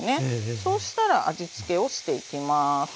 そうしたら味つけをしていきます。